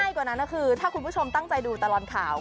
กว่านั้นก็คือถ้าคุณผู้ชมตั้งใจดูตลอดข่าว